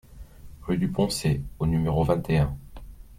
Rue du Poncé au numéro vingt et un